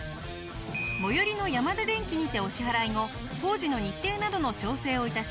最寄りのヤマダデンキにてお支払い後工事の日程などの調整を致します。